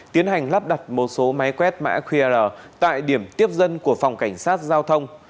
tiến hành lắp đặt một số máy quét mã qr tại điểm tiếp dân của phòng cảnh sát giao thông